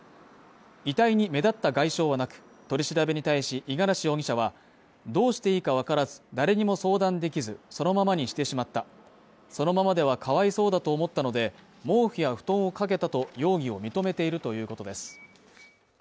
遺体に目立った外傷はなく、取り調べに対し五十嵐容疑者はどうしていいかわからず、誰にも相談できず、そのままにしてしまったそのままではかわいそうだと思ったので、毛布や布団をかけたと容疑を認めているということです。